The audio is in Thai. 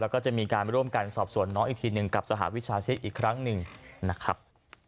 แล้วก็จะมีการร่วมกันสอบสวนน้องอีกทีหนึ่งกับสหวิชาชีพอีกครั้งหนึ่งนะครับ